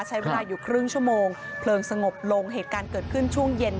ใช้เวลาอยู่ครึ่งชั่วโมงเพลิงสงบลงเหตุการณ์เกิดขึ้นช่วงเย็น